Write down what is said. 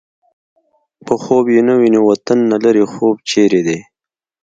په خوب يې نه وینو وطن نه لرې خوب چېرې دی